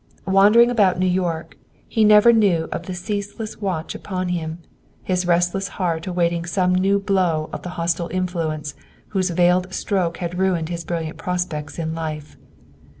Wandering about New York, he never knew of the ceaseless watch upon him, his restless heart awaiting some new blow of the hostile influence whose veiled stroke had ruined his brilliant prospects in life!